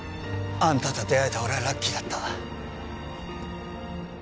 あんたと出会えた俺はラッキーだった